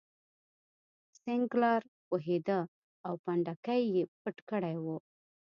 سینکلر پوهېده او پنډکی یې پټ کړی و.